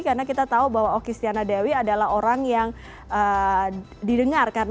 karena kita tahu bahwa oki stiana dewi adalah orang yang didengar